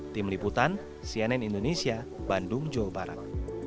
tim liputan cnn indonesia bandung jawa barat